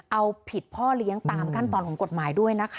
เอาผิดพ่อเลี้ยงตามขั้นตอนของกฎหมายด้วยนะคะ